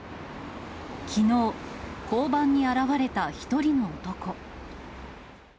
きのう、交番に現れた１人の男。